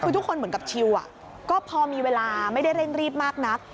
คือทุกคนเหมือนกับชิลก็พอมีเวลาไม่ได้เร่งรีบมากนัก